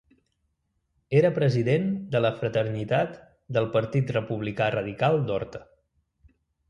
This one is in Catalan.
Era president de la Fraternitat del Partit Republicà Radical d'Horta.